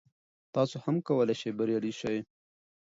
تاسو هم کولای شئ بریالي شئ.